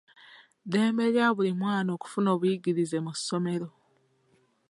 Ddembe lya buli mwana okufuna obuyigirize mu ssomero.